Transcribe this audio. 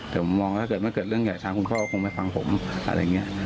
แต่มองถ้าเกิดไม่เกิดเรื่องใหญ่ช้างคุณพ่อคงไม่ฟังผมอะไรอย่างนี้